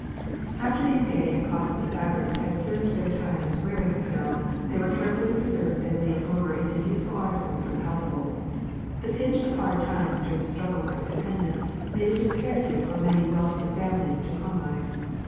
After these gay and costly fabrics had served their time as wearing apparel, they were carefully preserved and made over into useful articles for the household. The pinch of hard times during the struggle for independence made it imperative for many well to do families to economize.